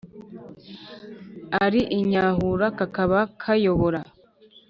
ari inyahura kakaba kayobora